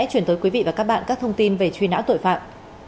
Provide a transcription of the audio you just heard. chuyển tới quý vị và các bạn các thông tin về truy nã tội phạm